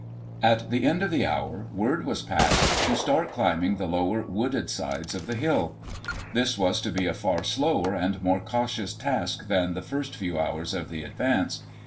At the end of the hour, word was passed to start climbing the lower, wooded sides of the hill. This was to be a far slower and more cautious task than the first few hours of the advance.